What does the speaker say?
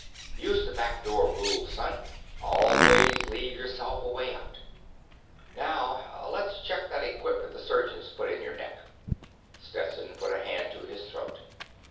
"Use the back door rule, son. Always leave yourself a way out. Now ... let's check that equipment the surgeons put in your neck." Stetson put a hand to his throat.